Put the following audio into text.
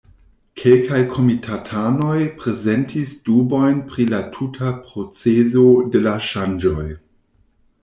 Kelkaj komitatanoj prezentis dubojn pri la tuta procezo de la ŝanĝoj.